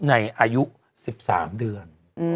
อายุ๑๓เดือน